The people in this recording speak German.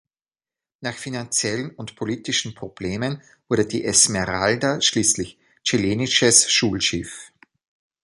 Nach finanziellen und politischen Problemen wurde die "Esmeralda" schließlich chilenisches Schulschiff.